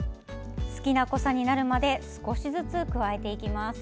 好きな濃さになるまで少しずつ加えていきます。